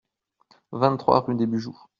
vingt-trois rue des Bujoux